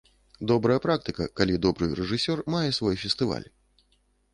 Добрая практыка, калі добры рэжысёр мае свой фестываль.